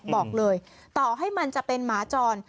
บอกเลยต่อให้มันจะเป็นหมาจร